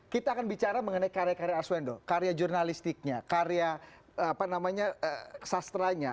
kita akan bicara mengenai karya karya ars wendo karya jurnalistiknya karya sastranya